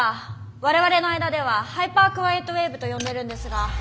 我々の間では「ハイパークワイエットウェーブ」と呼んでるんですが。